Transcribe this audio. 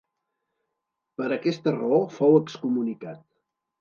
Per aquesta raó fou excomunicat.